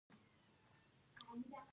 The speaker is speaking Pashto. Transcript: جانداد د بر کلي ژرندګړی ميلمه کړی و.